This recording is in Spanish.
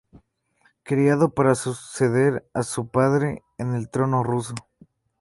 Criado para suceder a su padre en el trono ruso.